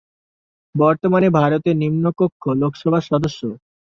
বর্তমান ভারতের নিম্ন কক্ষ লোকসভার সদস্য।